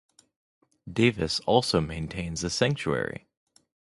Davis also maintains a sanctuary.